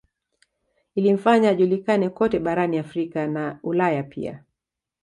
Ilimfanya ajulikane kote barani Afrika na Ulaya pia